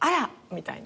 みたいな。